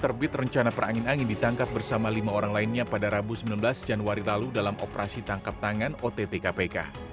terbit rencana perangin angin ditangkap bersama lima orang lainnya pada rabu sembilan belas januari lalu dalam operasi tangkap tangan ott kpk